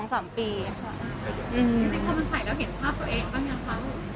ภายในปีถึงเห็นภาพตัวเองบ้างยังคะ